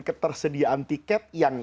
ketersediaan tiket yang